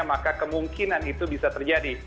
maka kemungkinan itu bisa terjadi